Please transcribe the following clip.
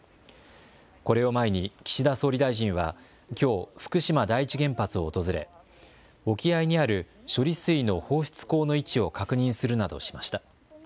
これを前に岸田総理大臣はきょう、福島第一原発を訪れ沖合にある処理水の放出口の位置を確認するなどしました。